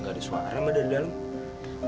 gak ada suara mbak dari dalam